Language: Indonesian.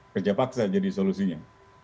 kerja paksa jadi solusinya